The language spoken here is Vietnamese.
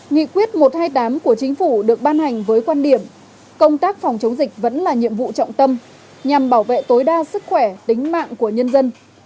nghị quyết một trăm hai mươi tám của chính phủ được ban hành với quan điểm công tác phòng chống dịch vẫn là nhiệm vụ trọng tâm nhằm bảo vệ tối đa sức khỏe tính mạng của nhân dân